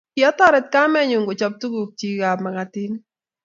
Kiatorit kamenyu kochob tukuk chik ab makatinik